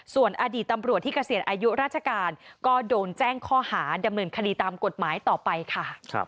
ส่วนอดีตตำรวจที่เกษียณอายุราชการก็โดนแจ้งข้อหาดำเนินคดีตามกฎหมายต่อไปค่ะ